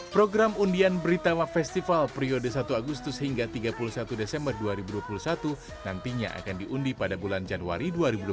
program undian britama festival periode satu agustus hingga tiga puluh satu desember dua ribu dua puluh satu nantinya akan diundi pada bulan januari dua ribu dua puluh